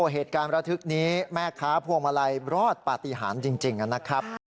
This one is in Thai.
เหตุการณ์ระทึกนี้แม่ค้าพวงมาลัยรอดปฏิหารจริงนะครับ